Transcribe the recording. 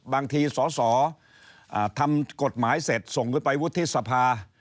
บางทีสอศำส่อจารย์อ่าทำกฎหมายเสร็จส่งไว้ไปวุฒิสภา